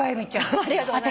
ありがとうございます。